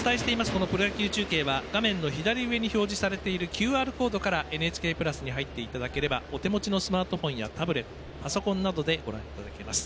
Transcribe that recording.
このプロ野球は画面の左上に表示されているＱＲコードからＮＨＫプラスに入っていただければお手持ちのスマートフォンやタブレットパソコンなどでご覧いただけます。